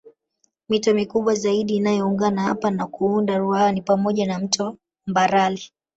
Mito mikubwa zaidi inayoungana hapa na kuunda Ruaha ni pamoja na mto Mbarali